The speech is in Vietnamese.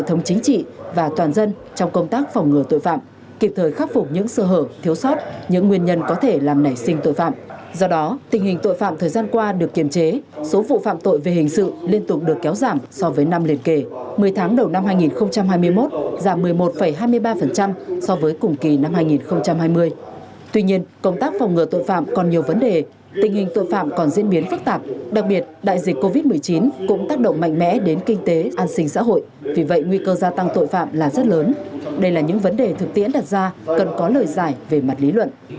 tuy nhiên công tác phòng ngừa tội phạm còn nhiều vấn đề tình hình tội phạm còn diễn biến phức tạp đặc biệt đại dịch covid một mươi chín cũng tác động mạnh mẽ đến kinh tế an sinh xã hội vì vậy nguy cơ gia tăng tội phạm là rất lớn đây là những vấn đề thực tiễn đặt ra cần có lời giải về mặt lý luận